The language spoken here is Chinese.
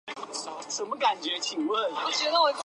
孙奎的老母亲见此便使劲攥住刺刀。